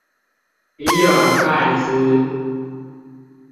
比爾蓋茲